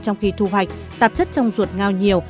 trong khi thu hoạch tạp chất trong ruột ngao nhiều